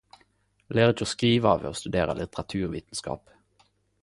Du lærer ikkje å skrive ved å studere litteraturvitskap.